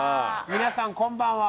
皆さんこんばんは。